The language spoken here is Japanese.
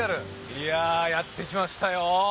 いやぁやって来ましたよ。